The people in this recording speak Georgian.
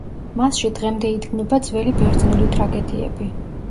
მასში დღემდე იდგმება ძველი ბერძნული ტრაგედიები.